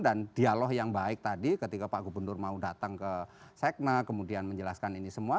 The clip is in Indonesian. dan dialog yang baik tadi ketika pak gubernur mau datang ke sekna kemudian menjelaskan ini semua